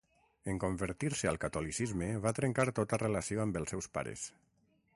En convertir-se al catolicisme va trencar tota relació amb els seus pares.